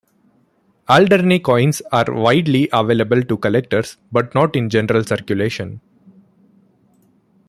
Alderney coins are widely available to collectors but not in general circulation.